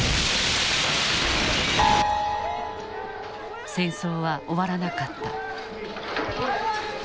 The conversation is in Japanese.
戦争は終わらなかった。